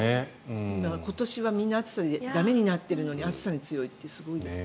今年はみんな暑さで駄目になっているのに暑さに強いってすごいですね。